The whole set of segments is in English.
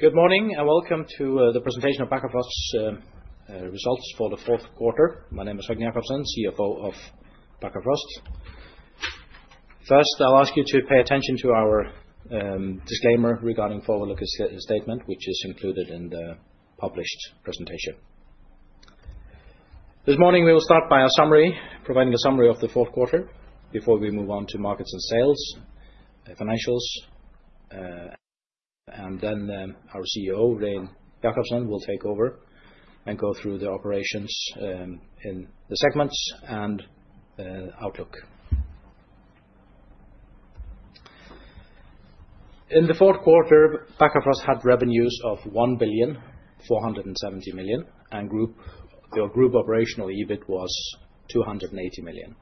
Good morning, and welcome to the presentation of Bakkafrost's results for the fourth quarter. My name is Høgni Jakobsen, CFO of Bakkafrost. First, I'll ask you to pay attention to our disclaimer regarding the forward-looking statement, which is included in the published presentation. This morning, we will start by a summary, providing a summary of the fourth quarter before we move on to markets and sales, financials, and then our CEO, Regin Jacobsen, will take over and go through the operations in the segments and outlook. In the fourth quarter, Bakkafrost had revenues of 1,470 million, and their group operational EBIT was 280 million.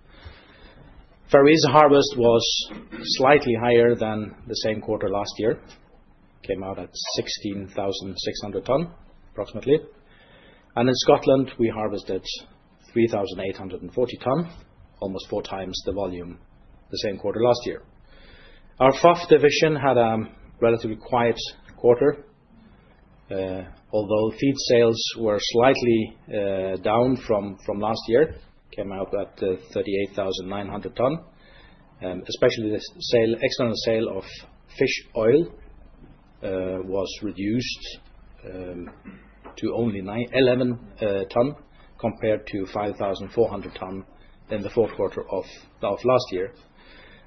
Fair value harvest was slightly higher than the same quarter last year, came out at 16,600 tons approximately. In Scotland, we harvested 3,840 tons, almost four times the volume the same quarter last year. Our FOF division had a relatively quiet quarter, although feed sales were slightly down from last year, came out at 38,900 tons. Especially, the external sale of fish oil was reduced to only 11 tons compared to 5,400 tons in the fourth quarter of last year.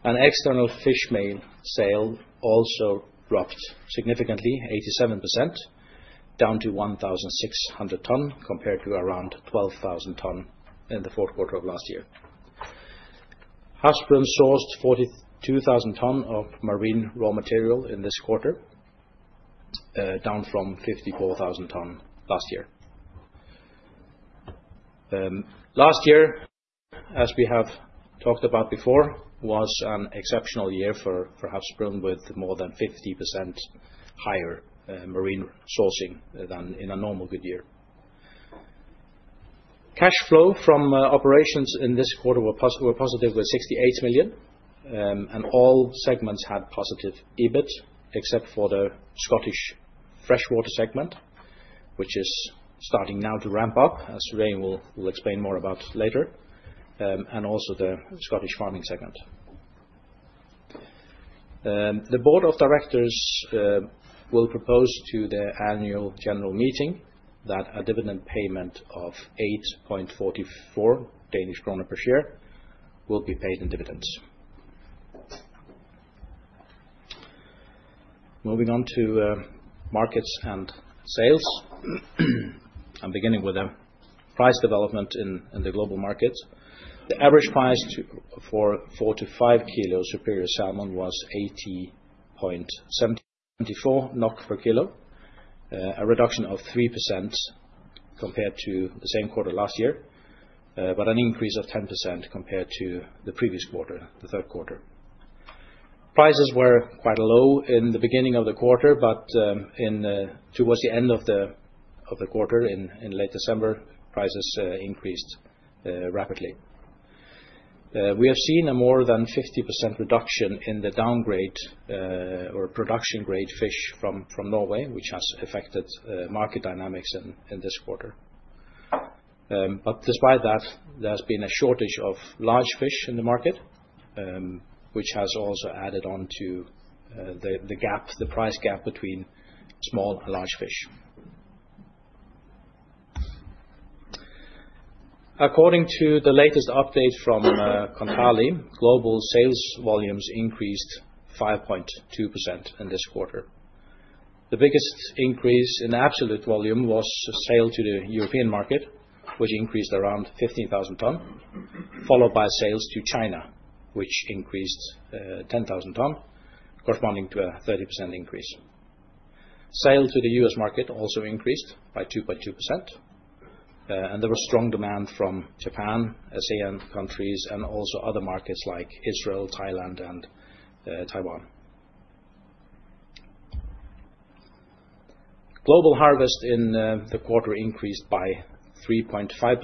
And external fishmeal sale also dropped significantly, 87%, down to 1,600 tons compared to around 12,000 tons in the fourth quarter of last year. Havsbrún sourced 42,000 tons of marine raw material in this quarter, down from 54,000 tons last year. Last year, as we have talked about before, was an exceptional year for Havsbrún with more than 50% higher marine sourcing than in a normal good year. Cash flow from operations in this quarter were positive with 68 million, and all segments had positive EBIT except for the Scottish freshwater segment, which is starting now to ramp up, as Regin will explain more about later, and also the Scottish farming segment. The board of directors will propose to their annual general meeting that a dividend payment of 8.44 Danish kroner per share will be paid in dividends. Moving on to markets and sales, I'm beginning with a price development in the global markets. The average price for 4 to 5 kilos of superior salmon was 80.74 NOK per kilo, a reduction of 3% compared to the same quarter last year, but an increase of 10% compared to the previous quarter, the third quarter. Prices were quite low in the beginning of the quarter, but towards the end of the quarter, in late December, prices increased rapidly. We have seen a more than 50% reduction in the downgrade or production grade fish from Norway, which has affected market dynamics in this quarter. But despite that, there has been a shortage of large fish in the market, which has also added on to the price gap between small and large fish. According to the latest update from Kontali, global sales volumes increased 5.2% in this quarter. The biggest increase in absolute volume was sale to the European market, which increased around 15,000 tons, followed by sales to China, which increased 10,000 tons, corresponding to a 30% increase. Sale to the US market also increased by 2.2%, and there was strong demand from Japan, ASEAN countries, and also other markets like Israel, Thailand, and Taiwan. Global harvest in the quarter increased by 3.5%,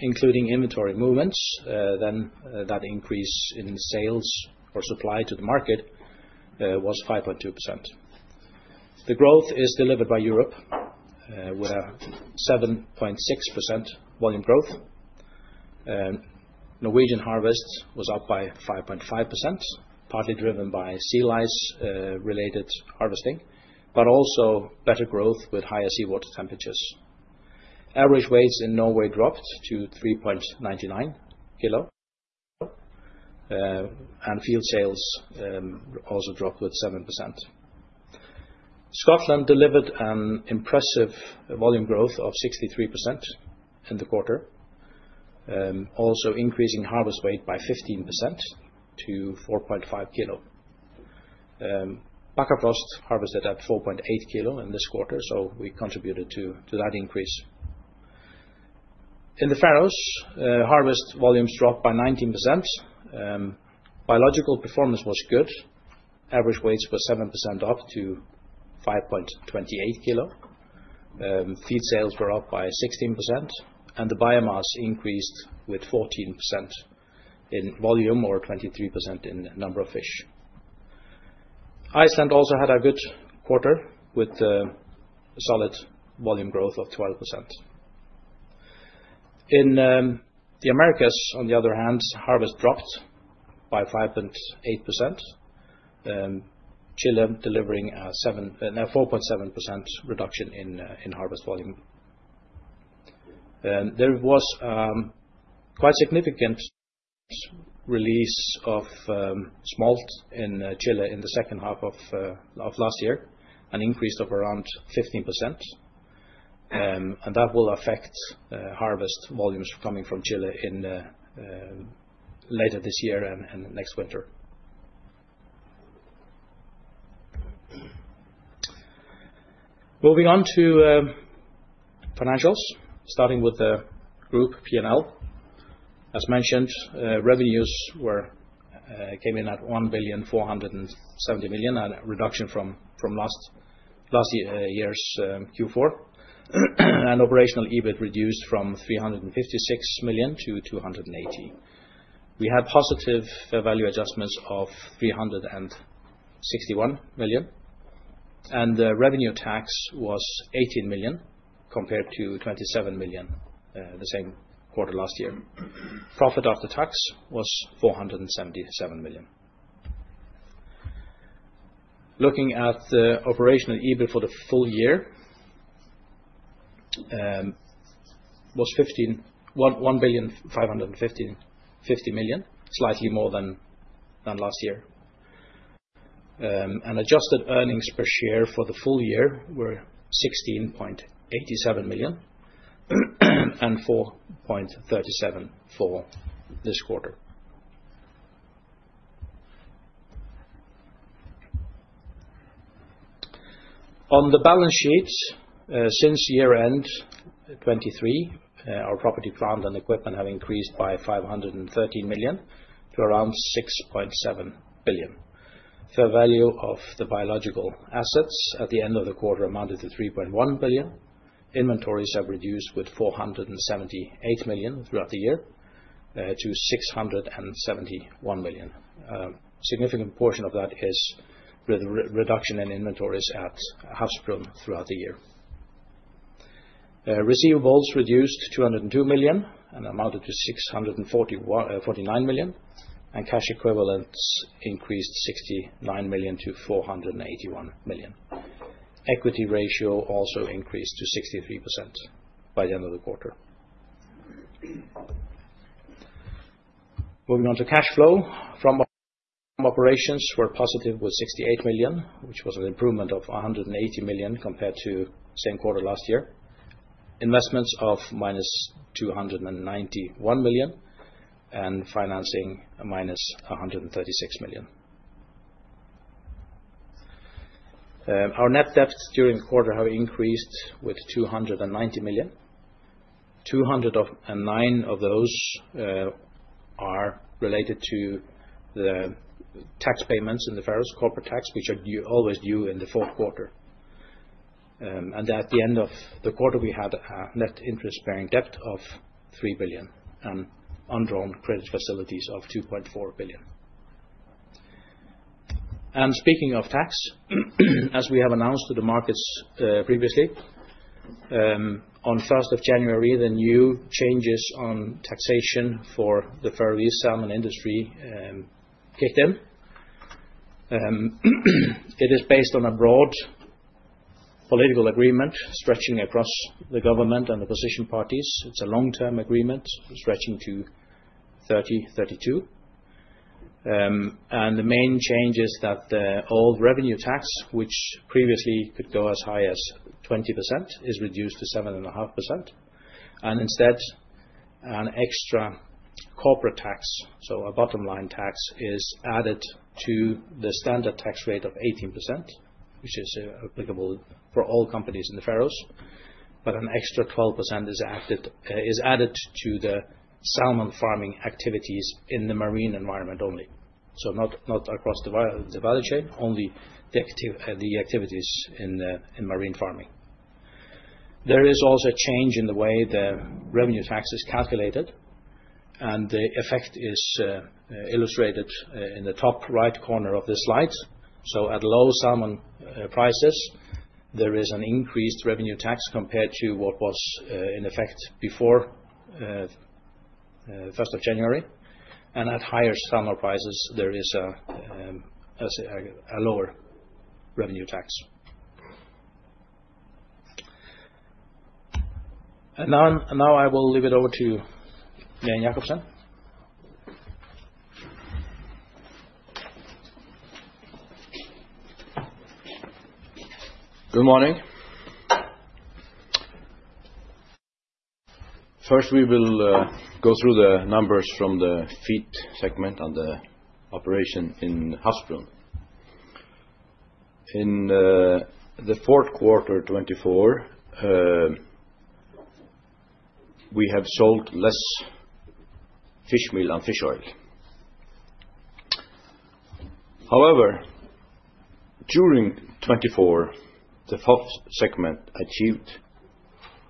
including inventory movements, then that increase in sales or supply to the market was 5.2%. The growth is delivered by Europe with a 7.6% volume growth. Norwegian harvest was up by 5.5%, partly driven by sea lice-related harvesting, but also better growth with higher seawater temperatures. Average weights in Norway dropped to 3.99 kilos, and feed sales also dropped with 7%. Scotland delivered an impressive volume growth of 63% in the quarter, also increasing harvest weight by 15% to 4.5 kilos. Bakkafrost harvested at 4.8 kilos in this quarter, so we contributed to that increase. In the Faroes, harvest volumes dropped by 19%. Biological performance was good. Average weights were 7% up to 5.28 kilos. Feed sales were up by 16%, and the biomass increased with 14% in volume or 23% in number of fish. Iceland also had a good quarter with solid volume growth of 12%. In the Americas, on the other hand, harvest dropped by 5.8%, Chile delivering a 4.7% reduction in harvest volume. There was quite significant release of smolt in Chile in the second half of last year, an increase of around 15%, and that will affect harvest volumes coming from Chile later this year and next winter. Moving on to financials, starting with the group P&L. As mentioned, revenues came in at 1,470 million, a reduction from last year's Q4, and operational EBIT reduced from 356 million to 280 million. We had positive value adjustments of 361 million, and revenue tax was 18 million compared to 27 million the same quarter last year. Profit after tax was 477 million. Looking at the operational EBIT for the full year was 1,550 million, slightly more than last year, and adjusted earnings per share for the full year were 16.87 and 4.37 for this quarter. On the balance sheet, since year-end 2023, our property, plant and equipment have increased by 513 million to around 6.7 billion. Fair value of the biological assets at the end of the quarter amounted to 3.1 billion. Inventories have reduced by 478 million throughout the year to 671 million. A significant portion of that is with reduction in inventories at Havsbrún throughout the year. Receivables reduced by 202 million and amounted to 649 million, and cash equivalents increased 69 million to 481 million. Equity ratio also increased to 63% by the end of the quarter. Moving on to cash flow. From operations, we're positive with 68 million, which was an improvement of 180 million compared to the same quarter last year. Investments of minus 291 million and financing minus 136 million. Our net debt during the quarter has increased by 290 million. 209 of those are related to the tax payments in the Faroes, corporate tax, which are always due in the fourth quarter. And at the end of the quarter, we had a net interest-bearing debt of 3 billion and undrawn credit facilities of 2.4 billion. And speaking of tax, as we have announced to the markets previously, on 1st of January, the new changes on taxation for the Faroese salmon industry kicked in. It is based on a broad political agreement stretching across the government and the opposition parties. It's a long-term agreement stretching to 2032. And the main change is that all revenue tax, which previously could go as high as 20%, is reduced to 7.5%. And instead, an extra corporate tax, so a bottom-line tax, is added to the standard tax rate of 18%, which is applicable for all companies in the Faroe Islands, but an extra 12% is added to the salmon farming activities in the marine environment only. So not across the value chain, only the activities in marine farming. There is also a change in the way the revenue tax is calculated, and the effect is illustrated in the top right corner of this slide. So at low salmon prices, there is an increased revenue tax compared to what was in effect before 1st of January. And at higher salmon prices, there is a lower revenue tax. And now I will leave it over to Regin Jacobsen. Good morning. First, we will go through the numbers from the feed segment and the operation in Havsbrún. In the fourth quarter 2024, we have sold less fishmeal and fish oil. However, during 2024, the FOF segment achieved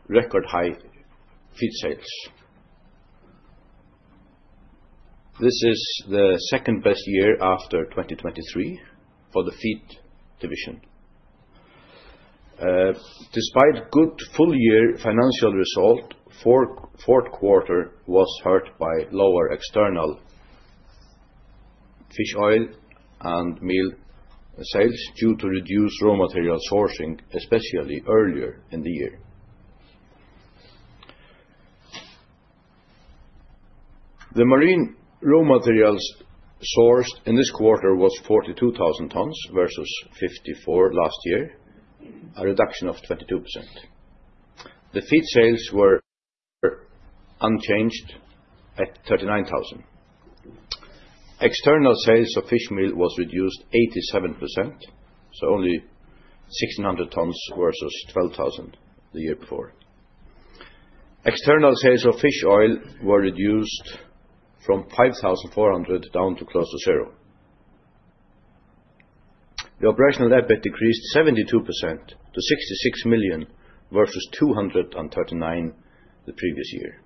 record-high feed sales. This is the second-best year after 2023 for the feed division. Despite good full-year financial result, fourth quarter was hurt by lower external fish oil and fishmeal sales due to reduced raw material sourcing, especially earlier in the year. The marine raw materials sourced in this quarter was 42,000 tons versus 54,000 last year, a reduction of 22%. The feed sales were unchanged at 39,000. External sales of fishmeal was reduced 87%, so only 1,600 tons versus 12,000 the year before. External sales of fish oil were reduced from 5,400 down to close to zero. The operational EBIT decreased 72% to 66 million DKK versus 239 million DKK the previous year.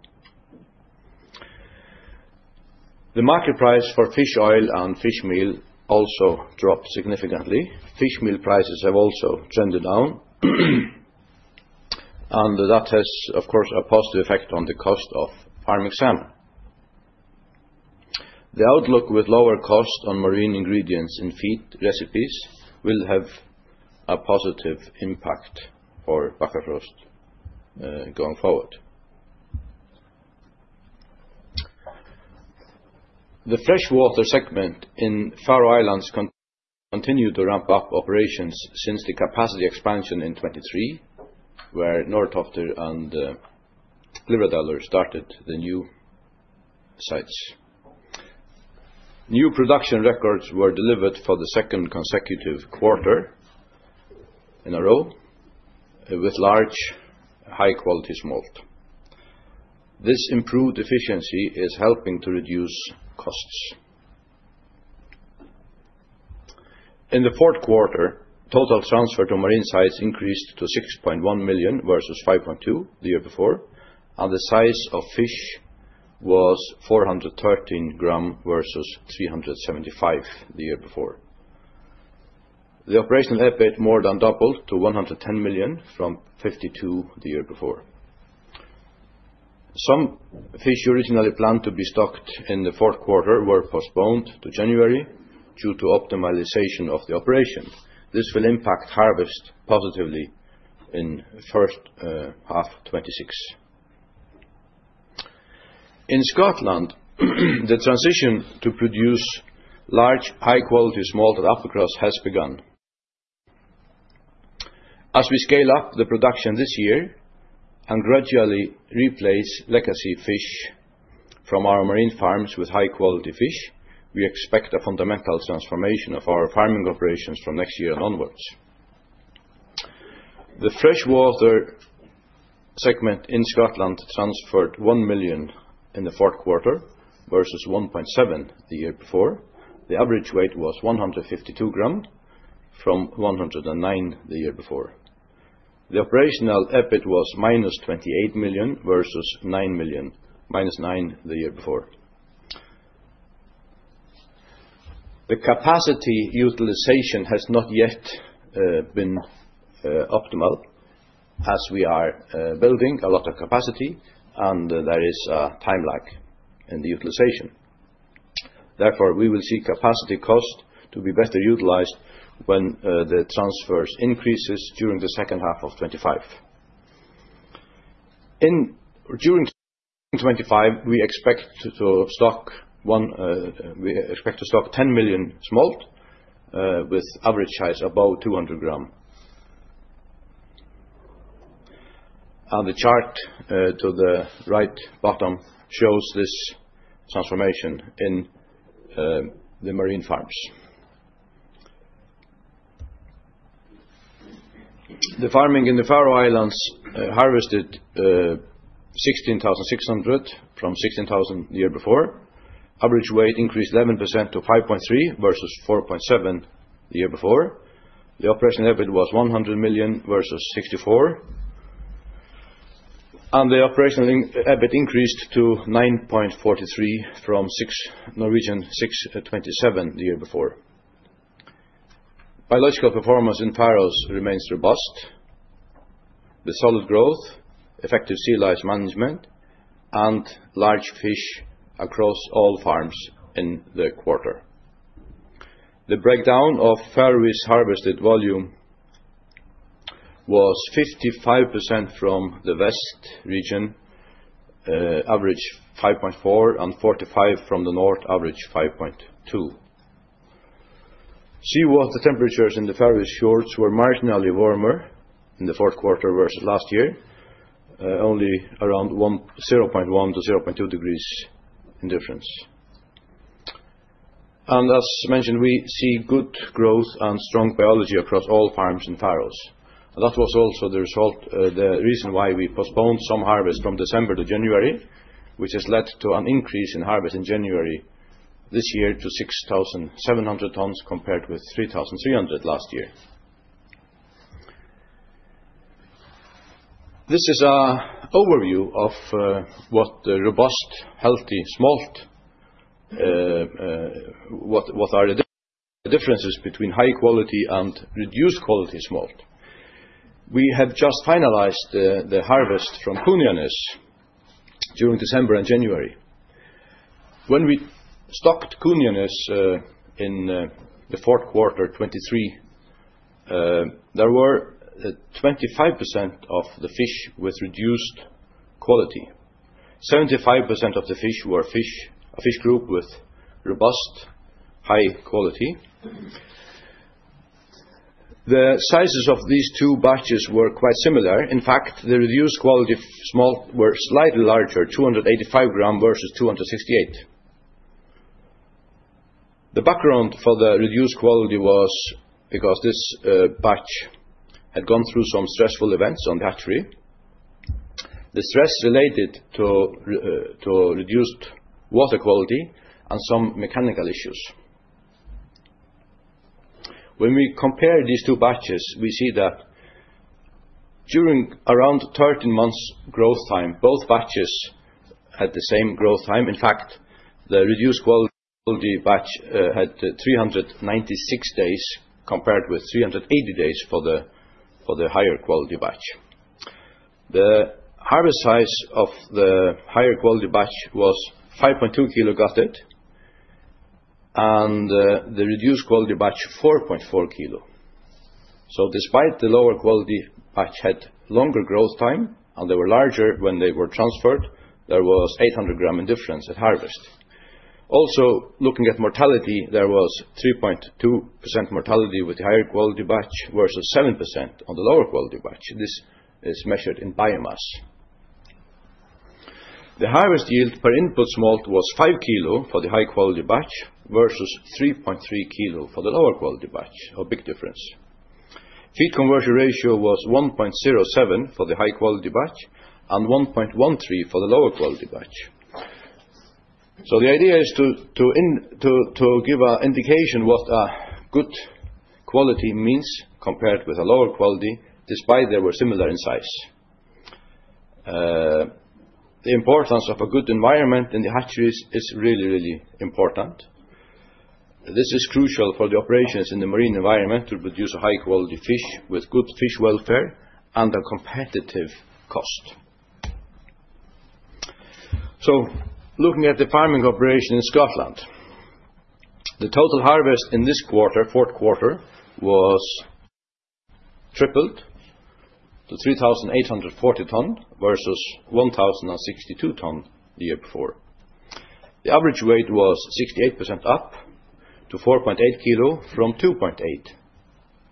The market price for fish oil and fishmeal also dropped significantly. Fishmeal prices have also trended down, and that has, of course, a positive effect on the cost of farming salmon. The outlook with lower cost on marine ingredients in feed recipes will have a positive impact for Bakkafrost going forward. The freshwater segment in Faroe Islands continued to ramp up operations since the capacity expansion in 2023, where Norðtoftir and Glyvradal started the new sites. New production records were delivered for the second consecutive quarter in a row with large, high-quality smolt. This improved efficiency is helping to reduce costs. In the fourth quarter, total transfer to marine sites increased to 6.1 million versus 5.2 the year before, and the size of fish was 413 grams versus 375 the year before. The operational EBIT more than doubled to 110 million from 52 the year before. Some fish originally planned to be stocked in the fourth quarter were postponed to January due to optimization of the operation. This will impact harvest positively in the first half of 2026. In Scotland, the transition to produce large, high-quality smolt Atlantic salmon has begun. As we scale up the production this year and gradually replace legacy fish from our marine farms with high-quality fish, we expect a fundamental transformation of our farming operations from next year onwards. The freshwater segment in Scotland transferred one million in the fourth quarter versus 1.7 the year before. The average weight was 152 grams from 109 the year before. The operational EBIT was minus 28 million versus minus 9 million the year before. The capacity utilization has not yet been optimal as we are building a lot of capacity, and there is a time lag in the utilization. Therefore, we will see capacity cost to be better utilized when the transfers increase during the second half of 2025. During 2025, we expect to stock 10 million smolt with average size above 200 grams. The chart to the right bottom shows this transformation in the marine farms. The farming in the Faroe Islands harvested 16,600 from 16,000 the year before. Average weight increased 11% to 5.3 versus 4.7 the year before. The operational EBIT was 100 million versus 64 million. The operational EBIT increased to 9.43 from 6.27 the year before. Biological performance in the Faroes remains robust with solid growth, effective sea lice management, and large fish across all farms in the quarter. The breakdown of the Faroes harvested volume was 55% from the west region, average 5.4, and 45% from the north, average 5.2. Seawater temperatures in the Faroes' shores were marginally warmer in the fourth quarter versus last year, only around 0.1 to 0.2 degrees in difference, and as mentioned, we see good growth and strong biology across all farms in the Faroes. That was also the reason why we postponed some harvest from December to January, which has led to an increase in harvest in January this year to 6,700 tons compared with 3,300 last year. This is an overview of what the robust, healthy smolt, what are the differences between high-quality and reduced-quality smolt. We have just finalized the harvest from Kunoyarnes during December and January. When we stocked Kunoyarnes in the fourth quarter 2023, there were 25% of the fish with reduced quality. 75% of the fish were a fish group with robust, high quality. The sizes of these two batches were quite similar. In fact, the reduced-quality smolt were slightly larger, 285 grams versus 268. The background for the reduced quality was because this batch had gone through some stressful events on the hatchery. The stress related to reduced water quality and some mechanical issues. When we compare these two batches, we see that during around 13 months' growth time, both batches had the same growth time. In fact, the reduced-quality batch had 396 days compared with 380 days for the higher-quality batch. The harvest size of the higher-quality batch was 5.2 kilograms gutted, and the reduced-quality batch, 4.4 kilograms. So despite the lower-quality batch had longer growth time and they were larger when they were transferred, there was 800 grams in difference at harvest. Also, looking at mortality, there was 3.2% mortality with the higher-quality batch versus 7% on the lower-quality batch. This is measured in biomass. The harvest yield per input smolt was five kilograms for the high-quality batch versus 3.3 kilograms for the lower-quality batch, a big difference. Feed conversion ratio was 1.07 for the high-quality batch and 1.13 for the lower-quality batch. So the idea is to give an indication of what good quality means compared with lower quality despite they were similar in size. The importance of a good environment in the hatcheries is really, really important. This is crucial for the operations in the marine environment to produce high-quality fish with good fish welfare and a competitive cost. So looking at the farming operation in Scotland, the total harvest in this quarter, fourth quarter, was tripled to 3,840 tons versus 1,062 tons the year before. The average weight was 68% up to 4.8 kilograms from 2.8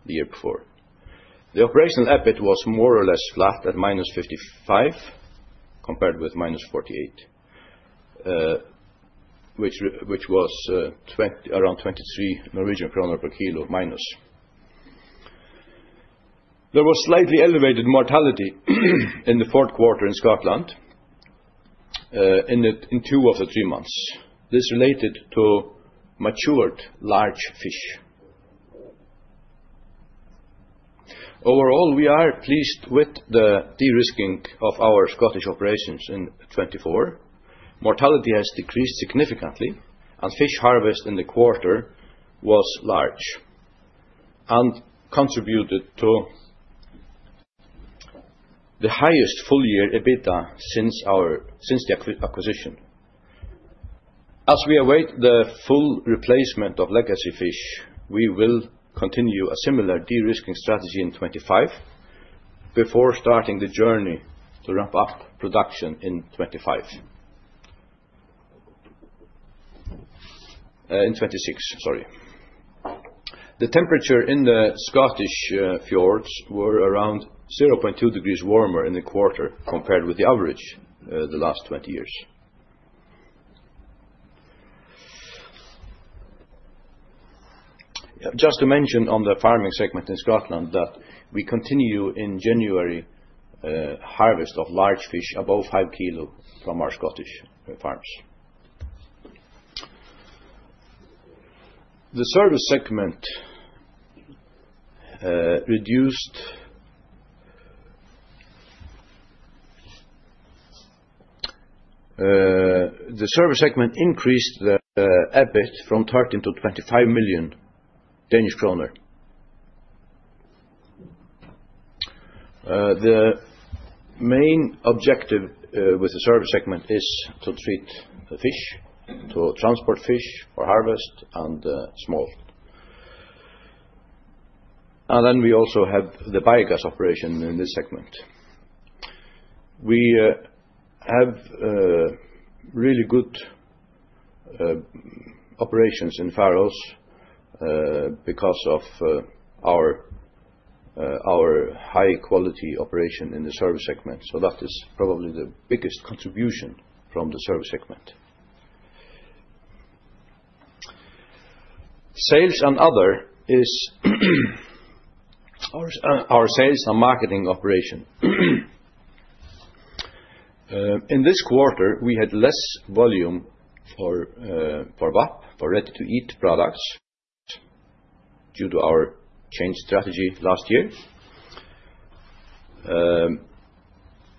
the year before. The operational EBIT was more or less flat at minus 55 compared with minus 48, which was around minus 23 NOK per kilogram. There was slightly elevated mortality in the fourth quarter in Scotland in two of the three months. This related to matured large fish. Overall, we are pleased with the de-risking of our Scottish operations in 2024. Mortality has decreased significantly, and fish harvest in the quarter was large and contributed to the highest full-year EBITDA since the acquisition. As we await the full replacement of legacy fish, we will continue a similar de-risking strategy in 2025 before starting the journey to ramp up production in 2025. In 2026, sorry. The temperature in the Scottish fjords was around 0.2 degrees warmer in the quarter compared with the average the last 20 years. Just to mention on the farming segment in Scotland that we continue in January harvest of large fish above 5 kg from our Scottish farms. The service segment reduced. The service segment increased the EBIT from 13 million DKK to 25 million Danish kroner. The main objective with the service segment is to treat the fish, to transport fish for harvest, and smolt. And then we also have the biogas operation in this segment. We have really good operations in Faroes because of our high-quality operation in the service segment. So that is probably the biggest contribution from the service segment. Sales and other is our sales and marketing operation. In this quarter, we had less volume for VAP, for ready-to-eat products, due to our change strategy last year.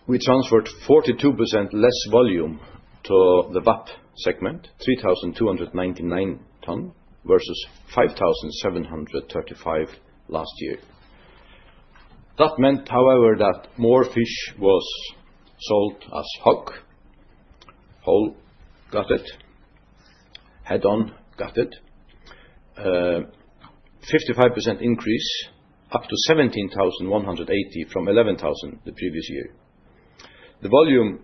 We transferred 42% less volume to the VAP segment, 3,299 tons versus 5,735 last year. That meant, however, that more fish was sold as HOG, whole gutted, head-on gutted, 55% increase up to 17,180 from 11,000 the previous year. The volume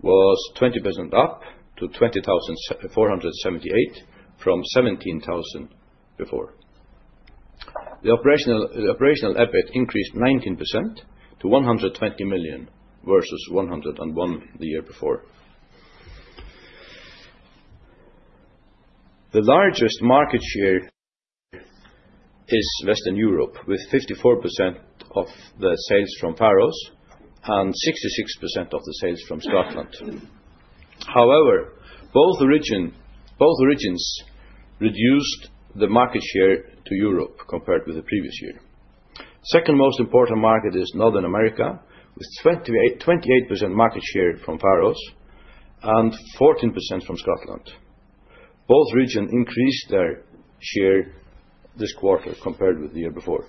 was 20% up to 20,478 from 17,000 before. The operational EBIT increased 19% to 120 million versus 101 million the year before. The largest market share is Western Europe with 54% of the sales from Faroes and 66% of the sales from Scotland. However, both regions reduced the market share to Europe compared with the previous year. The second most important market is North America with 28% market share from Faroes and 14% from Scotland. Both regions increased their share this quarter compared with the year before.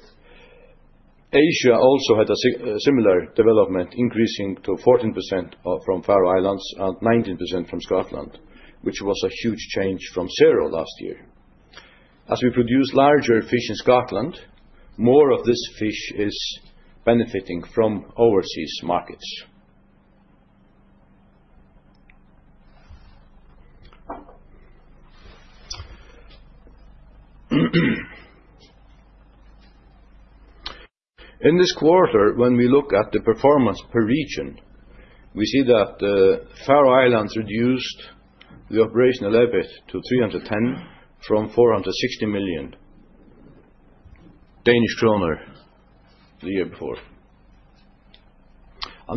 Asia also had a similar development, increasing to 14% from Faroe Islands and 19% from Scotland, which was a huge change from zero last year. As we produce larger fish in Scotland, more of this fish is benefiting from overseas markets. In this quarter, when we look at the performance per region, we see that Faroe Islands reduced the operational EBIT to 310 million from 460 million Danish kroner the year before.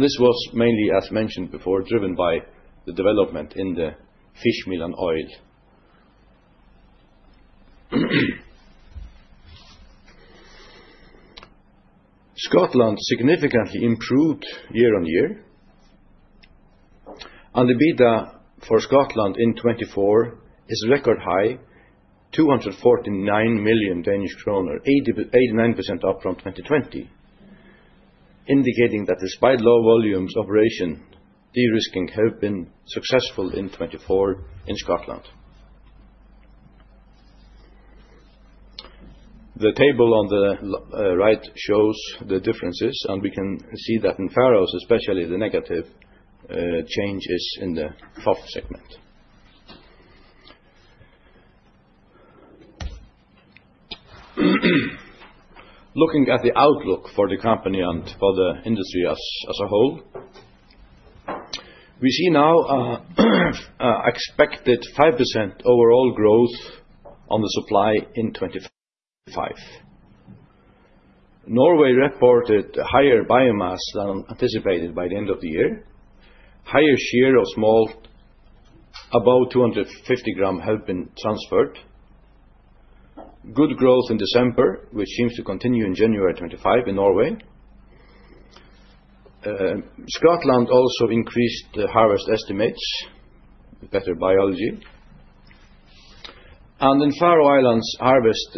This was mainly, as mentioned before, driven by the development in the fishmeal and oil. Scotland significantly improved year on year. EBITDA for Scotland in 2024 is record high, 249 million Danish kroner, 89% up from 2020, indicating that despite low volumes operation, de-risking has been successful in 2024 in Scotland. The table on the right shows the differences, and we can see that in the Faroe Islands, especially the negative change is in the FOF segment. Looking at the outlook for the company and for the industry as a whole, we see now an expected 5% overall growth on the supply in 2025. Norway reported higher biomass than anticipated by the end of the year. Higher share of smolt, above 250 grams, has been transferred. Good growth in December, which seems to continue in January 2025 in Norway. Scotland also increased the harvest estimates with better biology. In Faroe Islands, harvest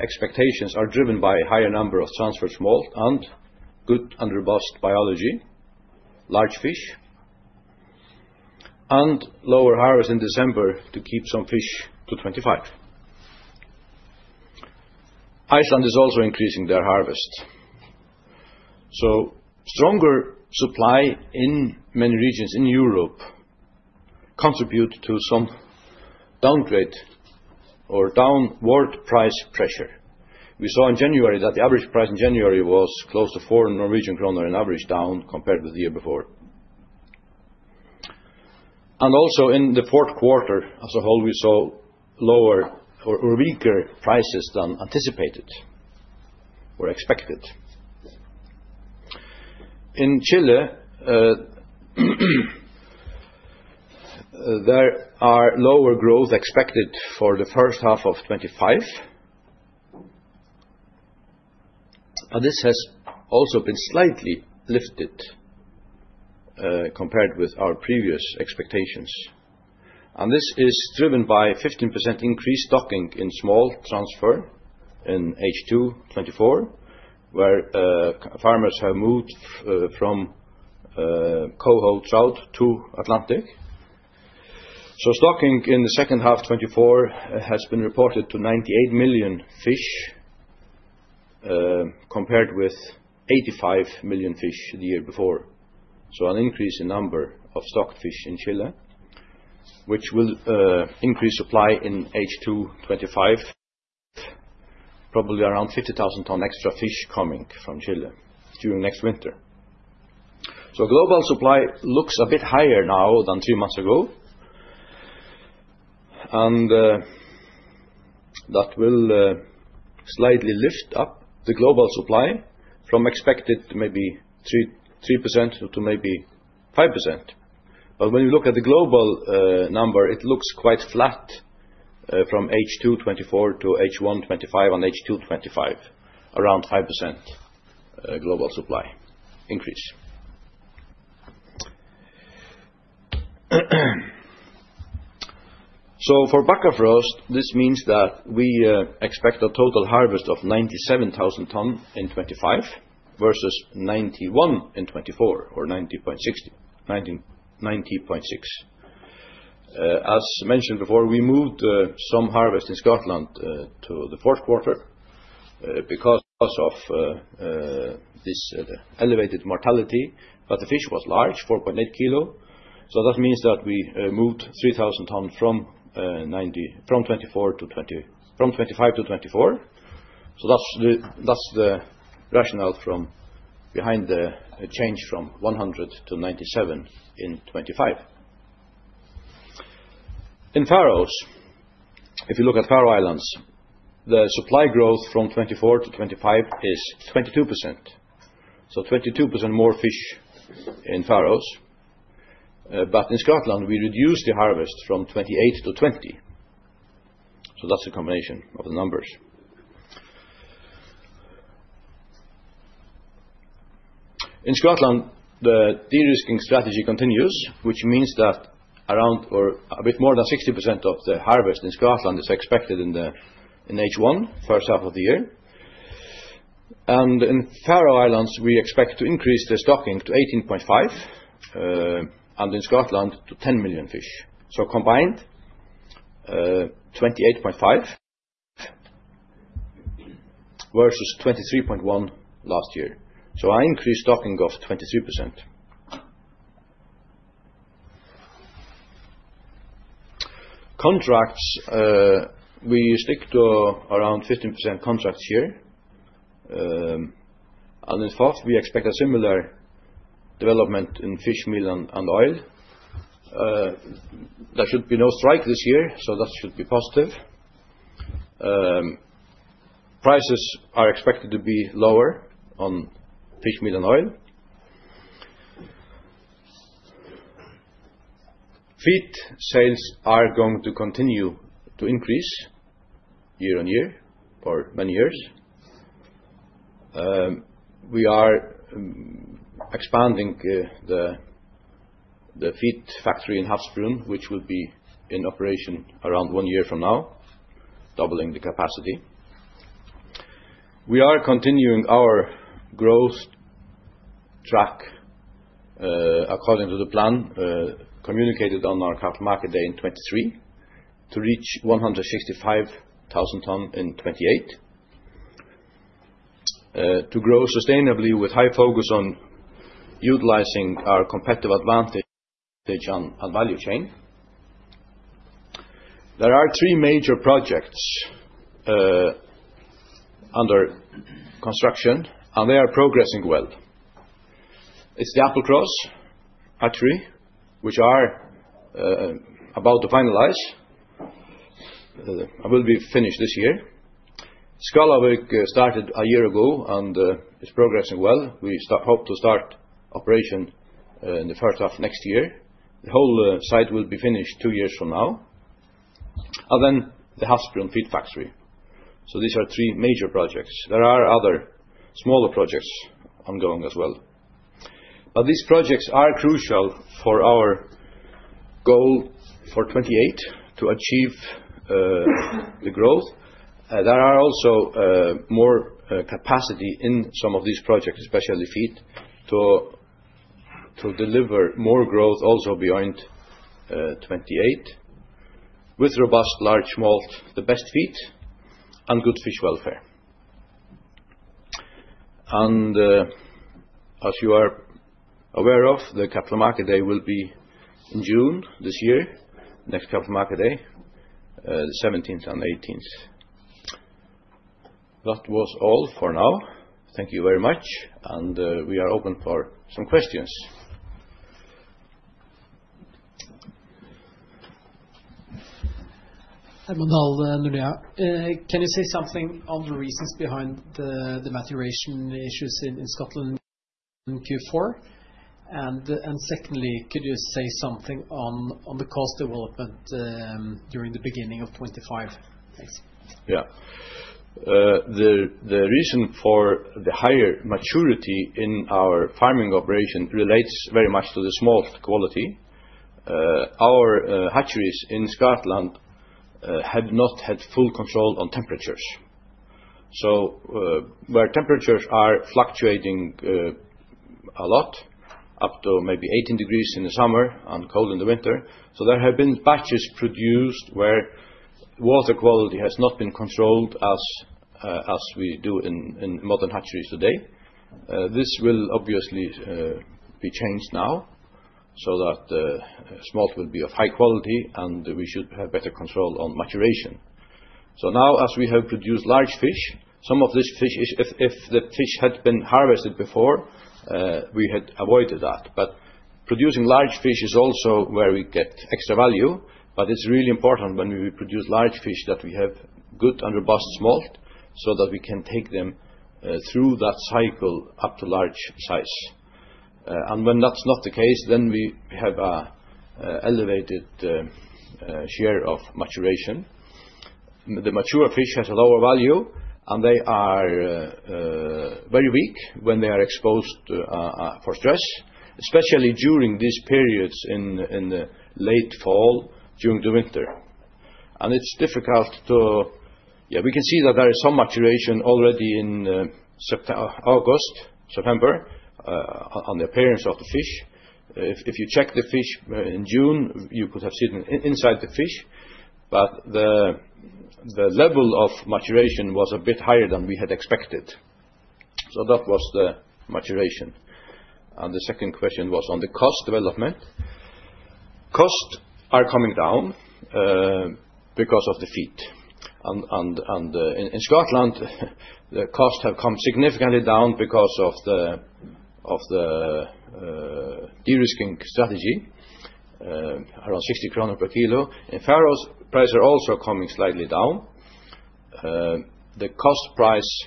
expectations are driven by a higher number of transferred smolt and good and robust biology, large fish, and lower harvest in December to keep some fish to 2025. Iceland is also increasing their harvest. Stronger supply in many regions in Europe contributes to some downgrade or downward price pressure. We saw in January that the average price in January was close to 4 Norwegian kroner in average down compared with the year before. Also in the fourth quarter, as a whole, we saw lower or weaker prices than anticipated or expected. In Chile, there are lower growth expected for the first half of 2025, and this has also been slightly lifted compared with our previous expectations, and this is driven by a 15% increase stocking in smolt transfer in H2 2024, where farmers have moved from Coho trout to Atlantic. Stocking in the second half 2024 has been reported to 98 million fish compared with 85 million fish the year before, so an increase in number of stocked fish in Chile, which will increase supply in H2 2025, probably around 50,000 tons extra fish coming from Chile during next winter. Global supply looks a bit higher now than three months ago, and that will slightly lift up the global supply from expected maybe 3% to maybe 5%. When you look at the global number, it looks quite flat from H2 2024 to H1 2025 and H2 2025, around 5% global supply increase. So for Bakkafrost, this means that we expect a total harvest of 97,000 ton in 2025 versus 91 in 2024 or 90.6. As mentioned before, we moved some harvest in Scotland to the fourth quarter because of this elevated mortality, but the fish was large, 4.8 kilograms. So that means that we moved 3,000 ton from 2024 to 2025 to 2024. So that's the rationale behind the change from 100 to 97 in 2025. In Faroes, if you look at Faroe Islands, the supply growth from 2024 to 2025 is 22%. So 22% more fish in Faroes. But in Scotland, we reduced the harvest from 28 to 20. So that's the combination of the numbers. In Scotland, the de-risking strategy continues, which means that around or a bit more than 60% of the harvest in Scotland is expected in H1 first half of the year, and in Faroe Islands, we expect to increase the stocking to 18.5 and in Scotland to 10 million fish, so combined, 28.5 versus 23.1 last year, so an increased stocking of 23%. Contracts, we stick to around 15% contracts here, and in FOF, we expect a similar development in fishmeal and oil. There should be no strike this year, so that should be positive. Prices are expected to be lower on fishmeal and oil. Feed sales are going to continue to increase year on year for many years. We are expanding the feed factory in Havsbrún, which will be in operation around one year from now, doubling the capacity. We are continuing our growth track according to the plan communicated on our CAF market day in 2023 to reach 165,000 ton in 2028. To grow sustainably with high focus on utilizing our competitive advantage and value chain. There are three major projects under construction, and they are progressing well. It's the Applecross hatchery, which are about to finalize and will be finished this year. Skálavík started a year ago and is progressing well. We hope to start operation in the first half next year. The whole site will be finished two years from now, and then the Havsbrún feed factory, so these are three major projects. There are other smaller projects ongoing as well, but these projects are crucial for our goal for 2028 to achieve the growth. There are also more capacity in some of these projects, especially feed, to deliver more growth also beyond 2028 with robust large smolt, the best feed, and good fish welfare. As you are aware of, the Capital Markets Day will be in June this year, next Capital Markets Day, the 17th and 18th. That was all for now. Thank you very much, and we are open for some questions. Herman Dahl, Nordea. Can you say something on the reasons behind the maturation issues in Scotland in Q4? And secondly, could you say something on the cost development during the beginning of 2025? Thanks. Yeah. The reason for the higher maturation in our farming operation relates very much to the smolt quality. Our hatcheries in Scotland have not had full control on temperatures. So where temperatures are fluctuating a lot up to maybe 18 degrees in the summer and cold in the winter, so there have been batches produced where water quality has not been controlled as we do in modern hatcheries today. This will obviously be changed now so that smolt will be of high quality and we should have better control on maturation. So now, as we have produced large fish, some of this fish, if the fish had been harvested before, we had avoided that. But producing large fish is also where we get extra value, but it's really important when we produce large fish that we have good and robust smolt so that we can take them through that cycle up to large size. And when that's not the case, then we have an elevated share of maturation. The mature fish has a lower value, and they are very weak when they are exposed for stress, especially during these periods in the late fall, during the winter, and it's difficult to, yeah, we can see that there is some maturation already in August, September, on the appearance of the fish. If you check the fish in June, you could have seen inside the fish, but the level of maturation was a bit higher than we had expected, so that was the maturation, and the second question was on the cost development. Costs are coming down because of the feed, and in Scotland, the costs have come significantly down because of the de-risking strategy, around 60 kroner per kilo. In Faroes, prices are also coming slightly down. The cost price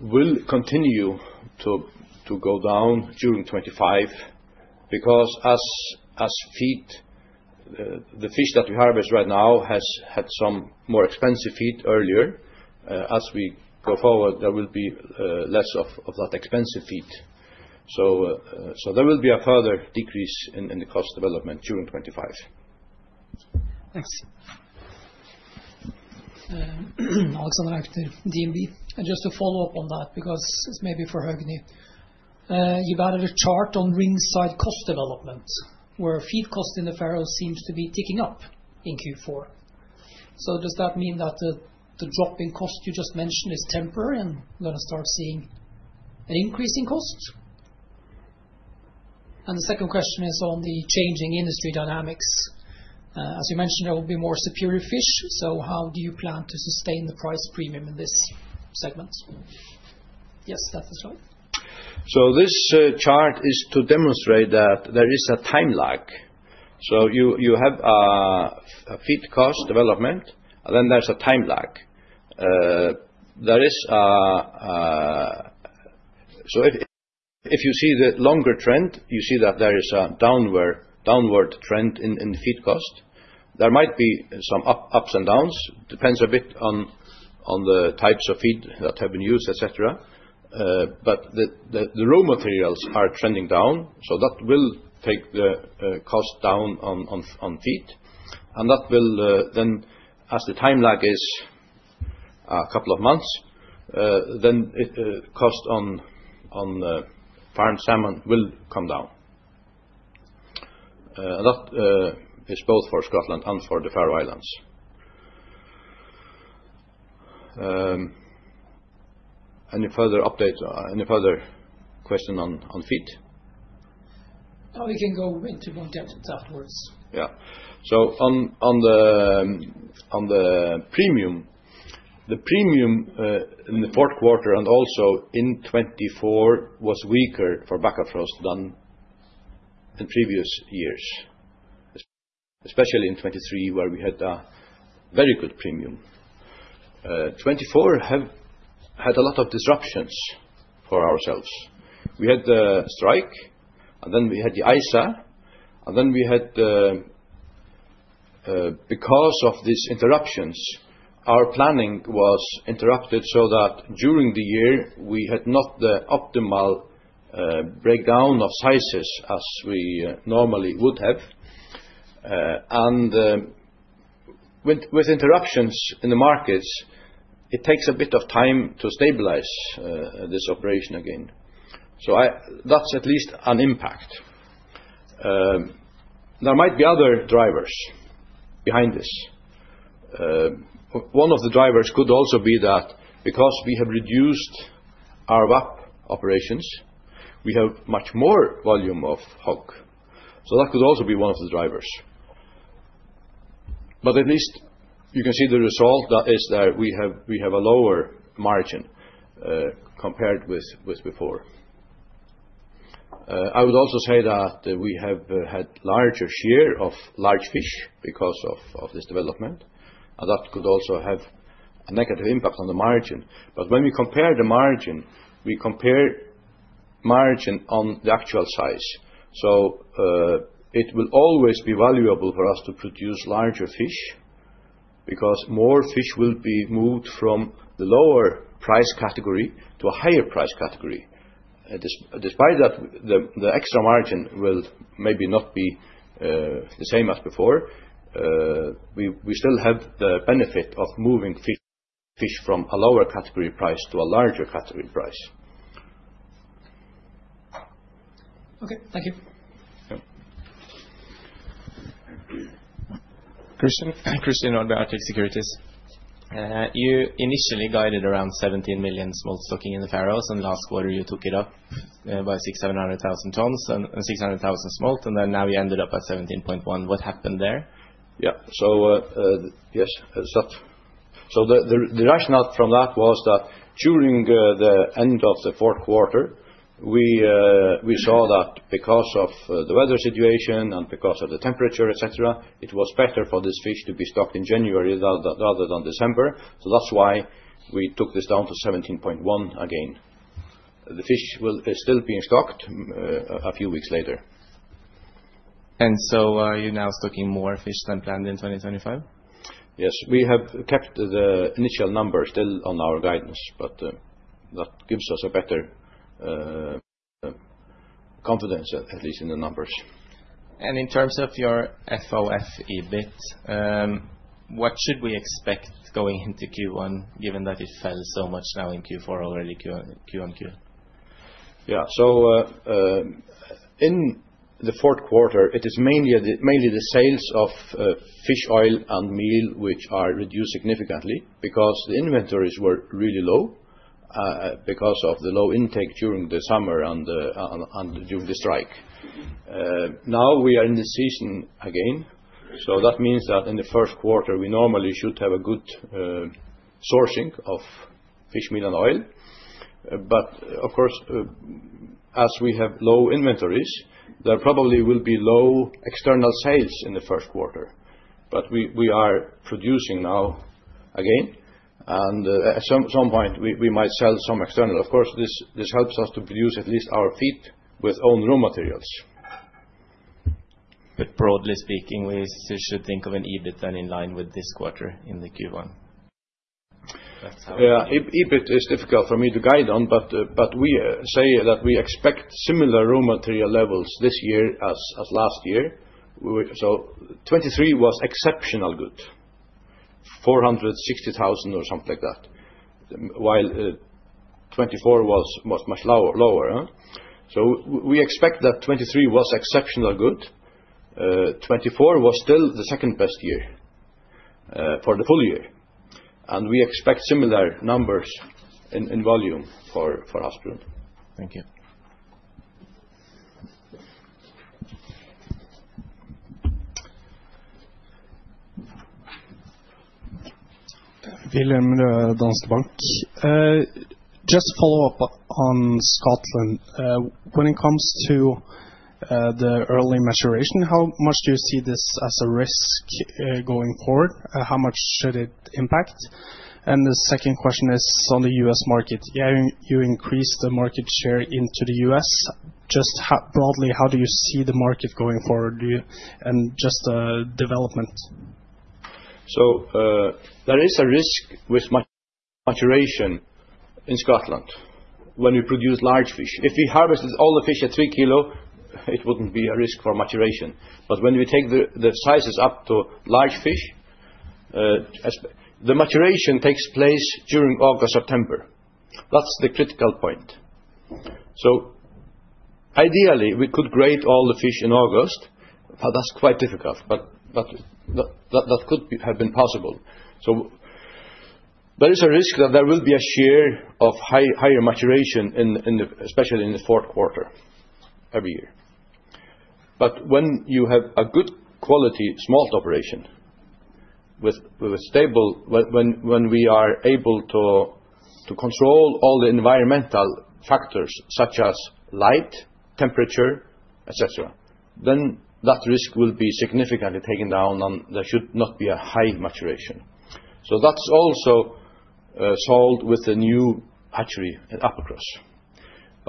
will continue to go down during 2025 because the feed the fish that we harvest right now has had some more expensive feed earlier. As we go forward, there will be less of that expensive feed. So there will be a further decrease in the cost development during 2025. Thanks. Alexander Aukner, DNB. Just to follow up on that because it's maybe for Høgni. You've added a chart on harvesting cost development where feed cost in the Faroes seems to be ticking up in Q4. So does that mean that the drop in cost you just mentioned is temporary and we're going to start seeing an increase in cost? And the second question is on the changing industry dynamics. As you mentioned, there will be more superior fish. So how do you plan to sustain the price premium in this segment? Yes, Stefan Schleif. So this chart is to demonstrate that there is a time lag. So you have a feed cost development, and then there's a time lag. So if you see the longer trend, you see that there is a downward trend in the feed cost. There might be some ups and downs. It depends a bit on the types of feed that have been used, etc. But the raw materials are trending down, so that will take the cost down on feed. And that will then, as the time lag is a couple of months, then cost on farmed salmon will come down. And that is both for Scotland and for the Faroe Islands. Any further updates? Any further questions on feed? We can go into more depth afterwards. Yeah. So on the premium, the premium in the fourth quarter and also in 2024 was weaker for Bakkafrost than in previous years, especially in 2023 where we had a very good premium. 2024 had a lot of disruptions for ourselves. We had the strike, and then we had the ISA, and then we had, because of these interruptions, our planning was interrupted so that during the year, we had not the optimal breakdown of sizes as we normally would have. And with interruptions in the markets, it takes a bit of time to stabilize this operation again. So that's at least an impact. There might be other drivers behind this. One of the drivers could also be that because we have reduced our VAP operations, we have much more volume of HOG. So that could also be one of the drivers. But at least you can see the result that is that we have a lower margin compared with before. I would also say that we have had a larger share of large fish because of this development, and that could also have a negative impact on the margin. But when we compare the margin, we compare margin on the actual size. So it will always be valuable for us to produce larger fish because more fish will be moved from the lower price category to a higher price category. Despite that, the extra margin will maybe not be the same as before. We still have the benefit of moving fish from a lower category price to a larger category price. Okay. Thank you. Christian, on Arctic Securities. You initially guided around 17 million smolt stocking in the Faroes, and last quarter, you took it up by 6.7 million smolt and 600,000 smolt, and then now you ended up at 17.1. What happened there? Yeah. So yes, so the rationale from that was that during the end of the fourth quarter, we saw that because of the weather situation and because of the temperature, etc., it was better for this fish to be stocked in January rather than December. So that's why we took this down to 17.1 again. The fish will still be in stock a few weeks later. And so you're now stocking more fish than planned in 2025? Yes. We have kept the initial number still on our guidance, but that gives us a better confidence, at least in the numbers. In terms of your FOF EBIT, what should we expect going into Q1 given that it fell so much now in Q4 already, Q1Q? Yeah. In the fourth quarter, it is mainly the sales of fish oil and fishmeal, which are reduced significantly because the inventories were really low because of the low intake during the summer and during the strike. Now we are in the season again, so that means that in the first quarter, we normally should have a good sourcing of fishmeal and oil. But of course, as we have low inventories, there probably will be low external sales in the first quarter. But we are producing now again, and at some point, we might sell some external. Of course, this helps us to produce at least our feed with own raw materials. But broadly speaking, we should think of an EBIT then in line with this quarter in the Q1. Yeah. EBIT is difficult for me to guide on, but we say that we expect similar raw material levels this year as last year. So 2023 was exceptional good, 460,000 or something like that, while 2024 was much lower. So we expect that 2023 was exceptional good. 2024 was still the second best year for the full year, and we expect similar numbers in volume for Havsbrún. Thank you. Wilhelm, Danske Bank. Just to follow up on Scotland, when it comes to the early maturation, how much do you see this as a risk going forward? How much should it impact? And the second question is on the US market. You increased the market share into the US. Just broadly, how do you see the market going forward and just the development? There is a risk with maturation in Scotland when we produce large fish. If we harvest all the fish at 3 kilo, it wouldn't be a risk for maturation. But when we take the sizes up to large fish, the maturation takes place during August, September. That's the critical point. So ideally, we could grade all the fish in August, but that's quite difficult, but that could have been possible. So there is a risk that there will be a share of higher maturation, especially in the fourth quarter every year. But when you have a good quality smolt operation with stable, when we are able to control all the environmental factors such as light, temperature, etc., then that risk will be significantly taken down, and there should not be a high maturation. So that's also solved with the new hatchery at Applecross.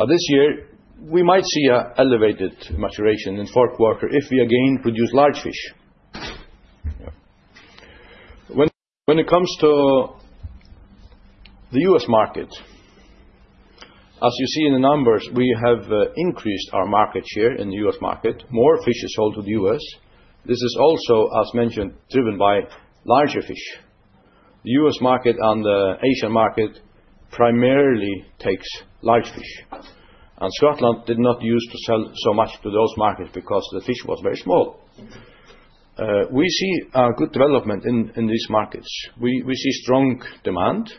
This year, we might see an elevated maturation in fourth quarter if we again produce large fish. When it comes to the U.S. market, as you see in the numbers, we have increased our market share in the U.S. market. More fish is sold to the U.S. This is also, as mentioned, driven by larger fish. The U.S. market and the Asian market primarily takes large fish. Scotland did not use to sell so much to those markets because the fish was very small. We see good development in these markets. We see strong demand,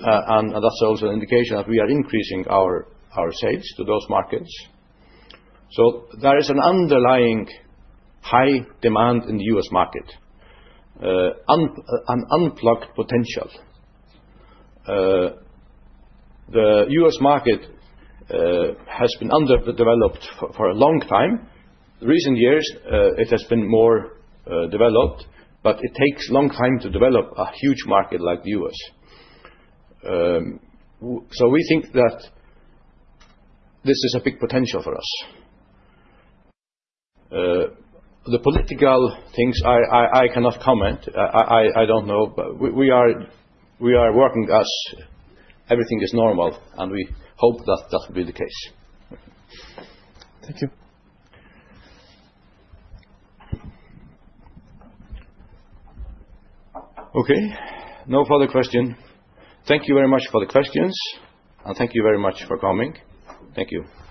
and that's also an indication that we are increasing our sales to those markets. There is an underlying high demand in the U.S. market, an untapped potential. The U.S. market has been underdeveloped for a long time. In recent years, it has been more developed, but it takes a long time to develop a huge market like the U.S. So we think that this is a big potential for us. The political things, I cannot comment. I don't know. We are working as everything is normal, and we hope that that will be the case. Thank you. Okay. No further question. Thank you very much for the questions, and thank you very much for coming. Thank you.